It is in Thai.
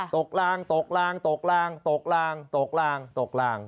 กลางตกลางตกลางตกลางตกลางตกลาง